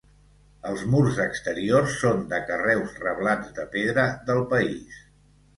Els murs exteriors són de carreus reblats de pedra del país.